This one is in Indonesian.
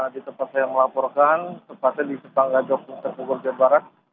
di tempat saya melaporkan tempatnya di simpang gajah puncak bogor jawa barat